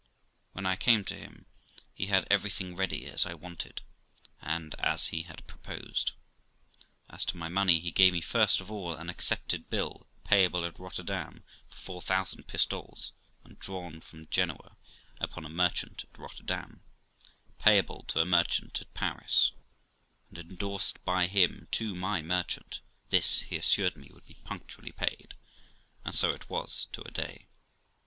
When I came to him, he had everything ready as I wanted, and as he had proposed. As to my money, he gave me first of all an accepted bill, payable at Rotterdam, for four thousand pistoles, and drawn from Genoa upon a merchant at Rotterdam, payable to a merchant at Paris, and endorsed by him to my merchant ; this, he assured me, would be punctually paid ; and so it was, to a day.